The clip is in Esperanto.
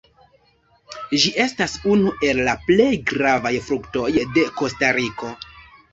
Ĝi estas unu el la plej gravaj fruktoj de Kostariko.